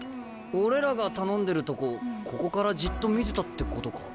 俺らが頼んでるとこここからじっと見てたってことか？